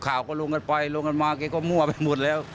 ข่าวก็ลงกันไปลงกันมาแกก็มั่วไปหมดแล้ว